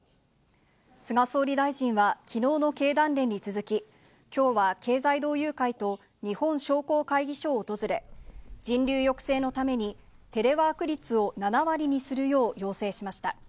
菅総理大臣は、きのうの経団連に続き、きょうは経済同友会と日本商工会議所を訪れ、人流抑制のために、テレワーク率を７割にするよう要請しました。